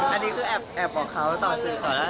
อันนี้คือแอบบอกเขาตอบสื่อขอร้าสื่อ